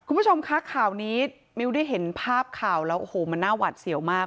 คุณผู้ชมคะข่าวนี้มิวได้เห็นภาพข่าวแล้วโอ้โหมันน่าหวัดเสี่ยวมาก